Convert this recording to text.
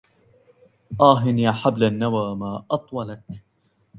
آه يا حبل النوى ما أطولك